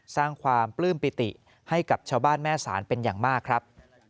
สร้างความปลื้มปิติให้กับชาวบ้านแม่ศาลเป็นอย่างมากครับ